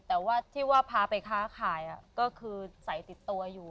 แต่ว่าที่ว่าพาไปค้าขายก็คือใส่ติดตัวอยู่